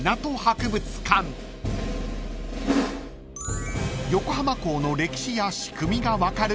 ［横浜港の歴史や仕組みが分かる施設］